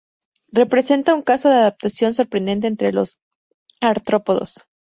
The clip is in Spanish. Representa un caso de adaptación sorprendente entre los artrópodos.